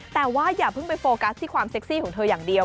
แต่ว่าอย่าเพิ่งไปโฟกัสที่ความเซ็กซี่ของเธออย่างเดียว